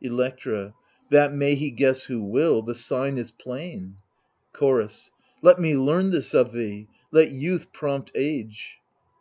Electra That may he guess who will ; the sign is plain. Chorus Let me learn this of thee ; let youth prompt age.